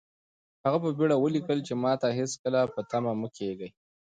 هغه په بېړه ولیکل چې ماته هېڅکله په تمه مه کېږئ.